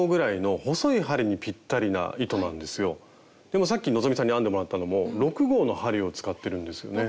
でもさっき希さんに編んでもらったのも６号の針を使ってるんですよね。